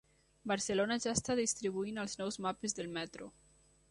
Barcelona ja està distribuint els nous mapes del metro